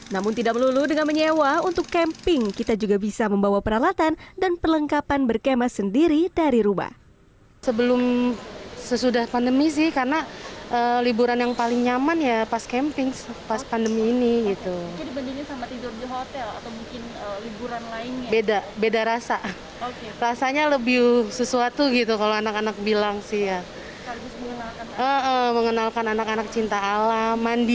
namun tidak melulu dengan menyewa untuk camping kita juga bisa membawa peralatan dan perlengkapan berkemah sendiri dari rumah